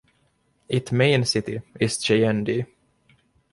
It main city is Chejendé.